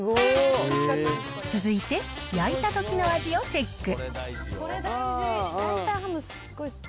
続いて、焼いたときの味をチェック。